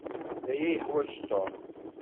D aya i yeḥwaj Tom.